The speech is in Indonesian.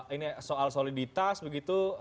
ini soal soliditas begitu